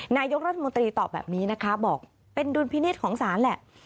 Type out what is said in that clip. นายกรัฐมนตรีตอบแบบนี้นะคะบอกเป็นดุลพินิษฐ์ของศาลแหละ